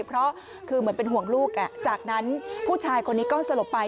เพราะคือเหมือนเป็นห่วงลูกจากนั้นผู้ชายคนนี้ก็สลบไป